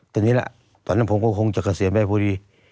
แต่นี้แหละตอนนั้นผมก็คงจะเกษียแม่ภูรี